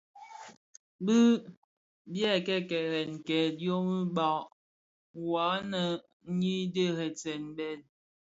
Bi byèè kèrèn kèrèn kè dhiyômi bas wua nneèn nyi dheresèn bhèd.